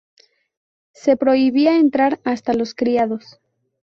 Se prohibía entrar hasta a los criados.